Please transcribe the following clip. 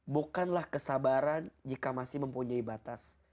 bukanlah kesabaran jika masih mempunyai batas